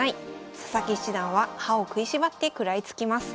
佐々木七段は歯を食いしばって食らいつきます。